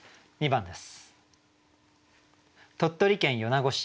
２番です。